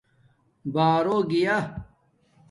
بݳرݸ گیݳ